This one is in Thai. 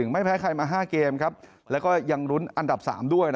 ไม่แพ้ใครมา๕เกมแล้วก็ยังรุ้นอันดับ๓ด้วย